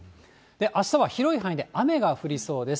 あしたは広い範囲で雨が降りそうです。